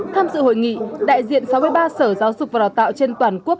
tham dự hội nghị đại diện sáu mươi ba sở giáo dục và đào tạo trên toàn quốc